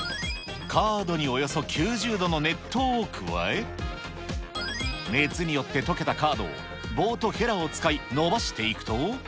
カードにおよそ９０度の熱湯を加え、熱によって溶けたカードを棒とへらを使いのばしていくと。